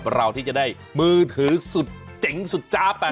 เราที่จะได้มือถือสุดเจ๋งสุดจ้าไป